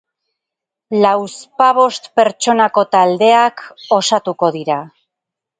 Lauzpabost pertsonako taldeak osatuko dira.